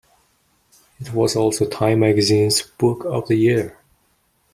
It was also Time Magazine's Book of the Year.